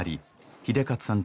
英捷さん